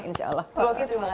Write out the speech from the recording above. boki terima kasih banyak ya